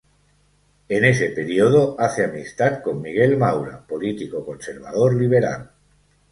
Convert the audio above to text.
En ese periodo hace amistad con Miguel Maura, político conservador liberal.